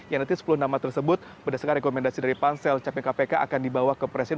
yang nanti sepuluh nama tersebut berdasarkan rekomendasi dari pansel capim kpk akan dibawa ke presiden